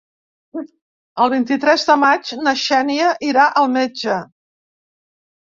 El vint-i-tres de maig na Xènia irà al metge.